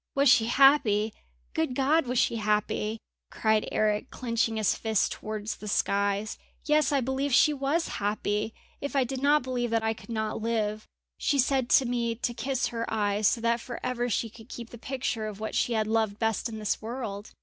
"Was she happy! Good God! was she happy!" cried Eric, clenching his fists towards the skies. "Yes, I believe she was happy! If I did not believe that I could not live. She said to me to kiss her eyes so that for ever she could keep the picture of what she had loved best in this world!